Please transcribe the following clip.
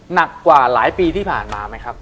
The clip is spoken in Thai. หนักกว่าหลายปีที่ผ่านมาไหมครับ